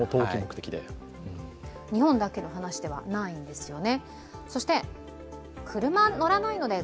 日本だけの話ではないんですよね。